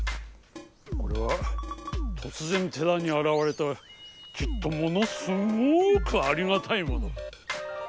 これはとつぜん寺にあらわれたきっとものすごくありがたいもの！